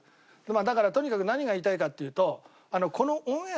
だからとにかく何が言いたいかっていうと。